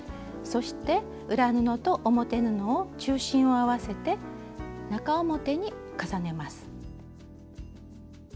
そして裏布と表布を中心を合わせて中表に重ねます。